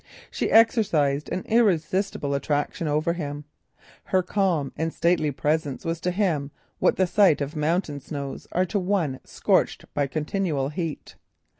She exercised an irresistible attraction over him. Her calm and stately presence was to him what the sight of mountain snows is to one scorched by continual heat.